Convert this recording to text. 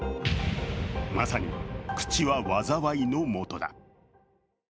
まさに口は災いの元だ。